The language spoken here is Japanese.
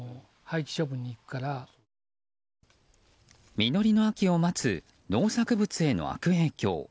実りの秋を待つ農作物への悪影響。